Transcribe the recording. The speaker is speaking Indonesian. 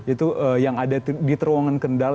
itu yang ada di terowongan kendal